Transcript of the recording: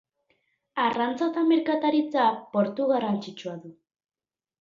Arrantza eta merkataritza portu garrantzitsua du.